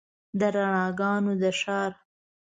د رڼاګانو د ښار